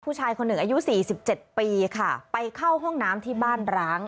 ผู้ชายคนหนึ่งอายุ๔๗ปีค่ะไปเข้าห้องน้ำที่บ้านร้าง